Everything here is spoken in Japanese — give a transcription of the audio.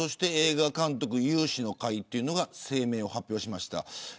映画監督有志の会というのが声明を発表しました。